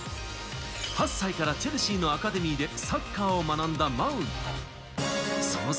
８歳からチェルシーのアカデミーでサッカーを学んだマウント。